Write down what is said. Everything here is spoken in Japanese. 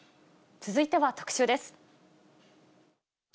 続いては特集です。